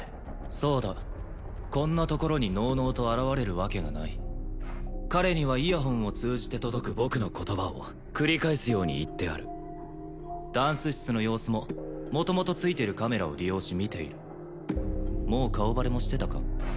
そうだこんなところにのうのうと現れるわけがない彼にはイヤホンを通じて届く僕の言葉を繰り返すように言ってあるダンス室の様子も元々ついてるカメラを利用し見ているもう顔バレもしてたか？